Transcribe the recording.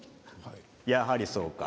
やはり、そうか。